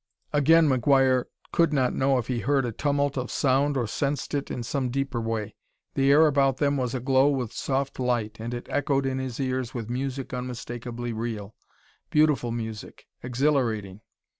Again McGuire could not know if he heard a tumult of sound or sensed it in some deeper way. The air about them was aglow with soft light, and it echoed in his ears with music unmistakably real beautiful music! exhilarating!